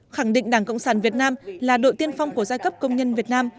khẳng định đảng cộng sản việt nam là đội tiên phong của giai cấp công nhân việt nam